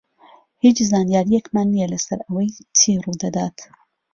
هیچ زانیارییەکمان نییە لەسەر ئەوەی چی ڕوو دەدات.